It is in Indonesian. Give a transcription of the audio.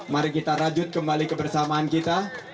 mari kita rajut kembali kebersamaan kita